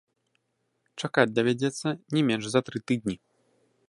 Чакаць давядзецца не менш за тры тыдні!